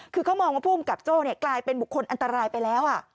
คือเขามองว่าภูมิกับโจ้กลายเป็นบุคคลอันตรายไปแล้ว